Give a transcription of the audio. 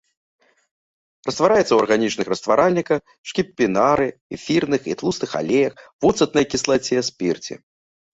Раствараецца ў арганічных растваральніках, шкіпінары, эфірных і тлустых алеях, воцатнай кіслаце, спірце.